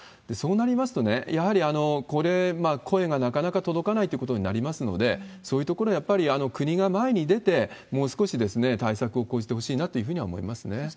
そうなりますと、やはりこれ、声がなかなか届かないということになりますので、そういうところをやっぱり国が前に出て、もう少し対策を講じてほしいなというふうには思いますね。